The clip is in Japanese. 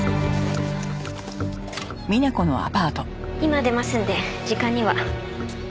今出ますんで時間には。